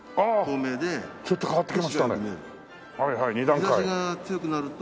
日差しが強くなると。